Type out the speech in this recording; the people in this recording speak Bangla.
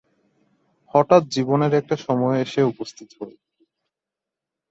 হঠাৎ জীবনের একটা সময়ে এসে উপস্থিত হই।